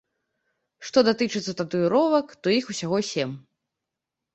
Што датычыцца татуіровак, то іх усяго сем.